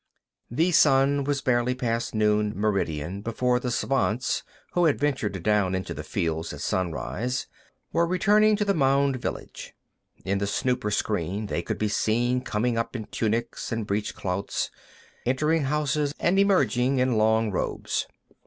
The sun was barely past noon meridian before the Svants, who had ventured down into the fields at sunrise, were returning to the mound village. In the snooper screen, they could be seen coming up in tunics and breechclouts, entering houses, and emerging in long robes.